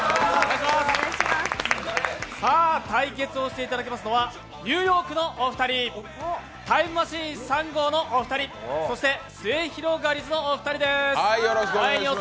対決をしていただきますのはニューヨークのお二人、タイムマシーン３号のお二人そしてすゑひろがりずのお二人です。